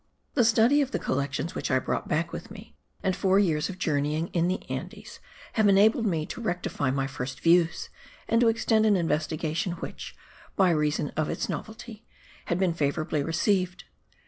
The study of the collections which I brought back with me, and four years of journeying in the Andes, have enabled me to rectify my first views, and to extend an investigation which, by reason of its novelty, had been favourably received.